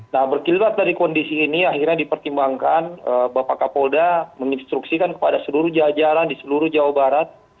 nah berkilat dari kondisi ini akhirnya dipertimbangkan bapak kapolda menginstruksikan kepada seluruh jajaran di seluruh jawa barat